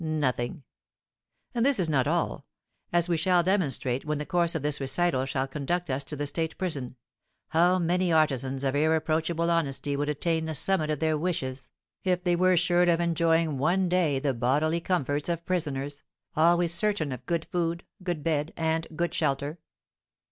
Nothing. And this is not all, as we shall demonstrate when the course of this recital shall conduct us to the state prison; how many artisans of irreproachable honesty would attain the summit of their wishes if they were assured of enjoying one day the bodily comforts of prisoners, always certain of good food, good bed, and good shelter?